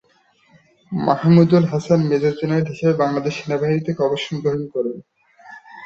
Mahmudul Hasan major general হিসেবে বাংলাদেশ সেনাবাহিনী থেকে অবসর গ্রহণ করেন।